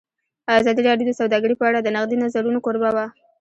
ازادي راډیو د سوداګري په اړه د نقدي نظرونو کوربه وه.